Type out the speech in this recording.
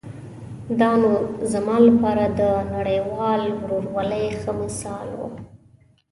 دا نو زما لپاره د نړیوال ورورولۍ ښه مثال و.